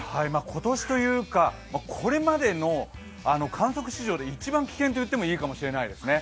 今年というか、これまでの観測史上で一番危険と言ってもいいかもしれないですね。